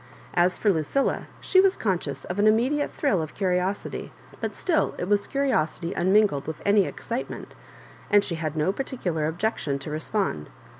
As for Lucilla, she was conscious of an immediate thrill of curi osity, but still it was curiosity unmingled with sny excitement, and she had no particular objection . to respond.